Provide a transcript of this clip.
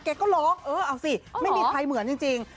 ก็ร้องเออเอาสิไม่มีใครเหมือนจริง